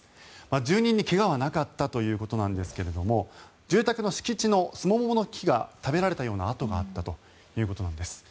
住人に怪我はなかったということなんですが住宅の敷地のスモモの木が食べられたような跡があったということです。